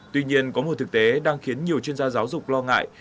tuy nhiên có một thực tế đang khiến nhiều chuyên gia giáo dục lo ngại